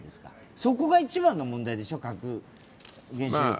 そこが一番の問題でしょ、核原子力。